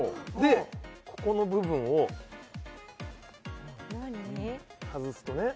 ここの部分を外すとね